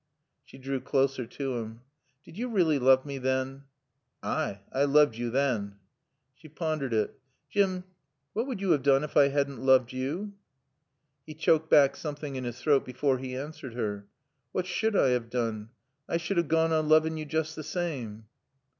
She drew closer to him. "Did you really love me then?" "Ay I looved yo than." She pondered it. "Jim what would you have done if I hadn't loved you?" He choked back something in his throat before he answered her. "What sud I have doon? I sud have goan on looving yo joost the saame.